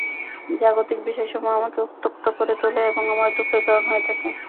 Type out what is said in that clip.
জাগতিক বিষয়সমূহ আমাকে উত্ত্যক্ত করে তোলে এবং আমার দুঃখের কারণ হয়ে থাকে।